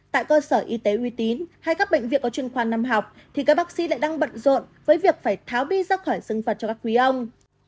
tại cơ sở y tế uy tín hay các bệnh viện có chuyên khoa năm học thì các bác sĩ lại đang bận rộn với việc phải tháo bi ra khỏi xương vật cho các quý ông